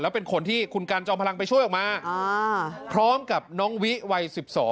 เป็นคนที่คุณกันจอมพลังไปช่วยออกมาพร้อมกับน้องวิวัย๑๒